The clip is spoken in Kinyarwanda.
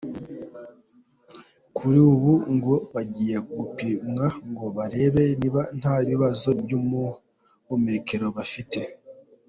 Kuri ubu ngo bagiye gupimwa ngo barebe niba nta bibazo by'ubuhumekero bafite.